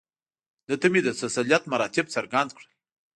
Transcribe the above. ده ته مې د تسلیت مراتب څرګند کړل.